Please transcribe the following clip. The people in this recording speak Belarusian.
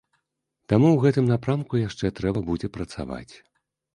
Таму ў гэтым напрамку яшчэ трэба будзе працаваць.